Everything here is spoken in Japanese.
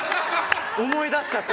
思い出しちゃって。